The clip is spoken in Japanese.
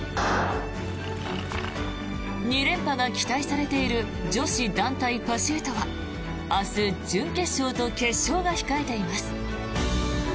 ２連覇が期待されている女子団体パシュートは明日、準決勝と決勝が控えています。